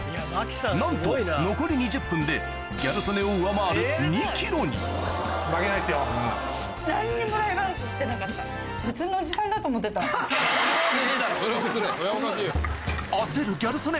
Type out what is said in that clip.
なんと残り２０分でギャル曽根を上回る焦るギャル曽根